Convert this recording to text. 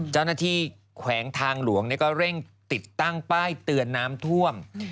แขวงทางหลวงก็เร่งติดตั้งป้ายเตือนน้ำท่วม